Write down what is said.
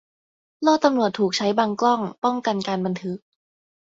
โล่ตำรวจถูกใช้บังกล้อง ป้องกันการบันทึก